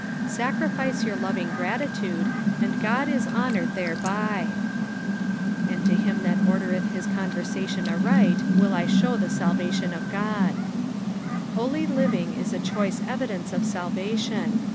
Sacrifice your loving gratitude, and God ia honoured thereby. "And to him that errdereth kit eonvertation aright wiii I then the tidcalion of God." Holy living is a chrriee evidence of salvation.